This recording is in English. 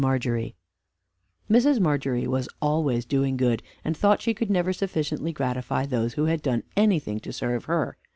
MARGERY Mrs. Margery was always doing good, and thought she could never sufficiently gratify those who had done anything to serve her.